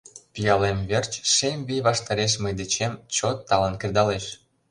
Пиалем верч Шем вий ваштареш Мый дечем чот талын кредалеш.